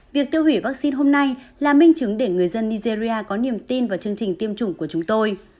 việc tiêu hủy vaccine hôm nay là minh chứng để người dân nigeria có niềm tin vào chương trình tiêm chủng của chúng tôi